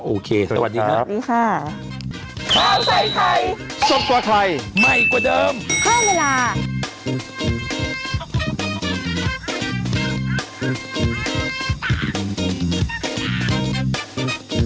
โอเคสวัสดีครับ